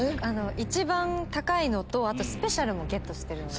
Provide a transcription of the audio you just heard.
一番高いのとスペシャルメニューもゲットしてるので。